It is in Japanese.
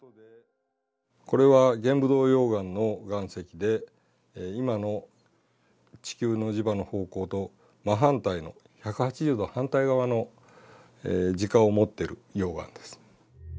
これは玄武洞溶岩の岩石で今の地球の磁場の方向と真反対の１８０度反対側の磁化を持ってる溶岩です。